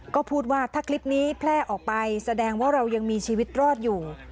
ก็พูดว่าถ้าคลิปนี้แพร่ออกไปแสดงว่าเรายังมีชีวิตรอดอยู่